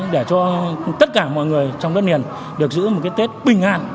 để cho tất cả mọi người trong đất miền được giữ một cái tết bình an